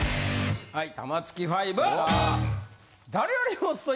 はい。